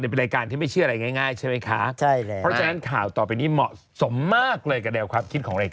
สนุนโดยอีซูซูดีแมคบลูพาวเวอร์นวัตกรรมเปลี่ยนโลก